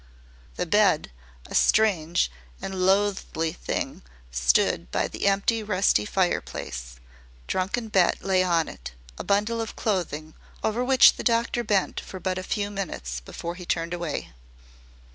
The bed a strange and loathly thing stood by the empty, rusty fireplace. Drunken Bet lay on it, a bundle of clothing over which the doctor bent for but a few minutes before he turned away.